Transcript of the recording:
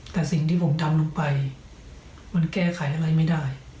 แต่สิ่งที่ผมทำลงไปมันแก้ไขอะไรไม่ได้